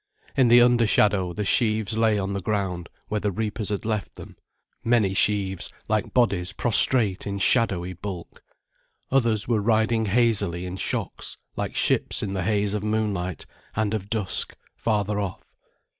In the under shadow the sheaves lay on the ground where the reapers had left them, many sheaves like bodies prostrate in shadowy bulk; others were riding hazily in shocks, like ships in the haze of moonlight and of dusk, farther off.